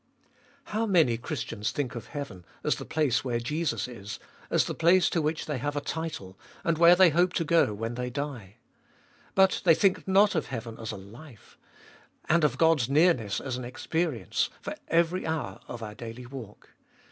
7. How many Christians think of heaven, as the place where Jesus is, as the place to which they have a title, and where they hope to go when they die. But they think not of heaven as a life, and of God's nearness as an experience for every hour of our dally walk.